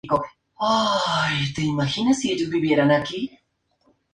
Participan varios actores alemanes reconocidos, como Daniel Brühl y David Kross.